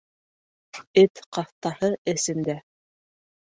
Эт ҡаҫтаһы эсендә.